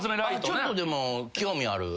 ちょっとでも興味ある。